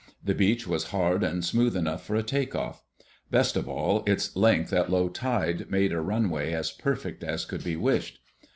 The beach was hard and smooth enough for a take off. Best of all, its length at low tide made a runway as perfect as could be wished.